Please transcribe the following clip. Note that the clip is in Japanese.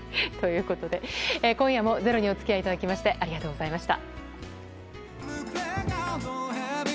今夜も「ｚｅｒｏ」にお付き合いいただきましてありがとうございました。